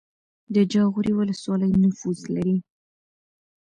د جاغوری ولسوالۍ نفوس لري